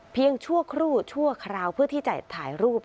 ชั่วครู่ชั่วคราวเพื่อที่จะถ่ายรูป